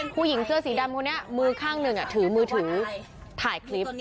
ผู้หญิงเสื้อสีดำคนนี้มือข้างหนึ่งถือมือถือถ่ายคลิป